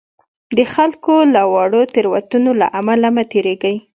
د خلکو له واړو تېروتنو له امله مه تېرېږئ.